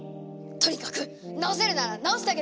とにかく治せるなら治してあげてください！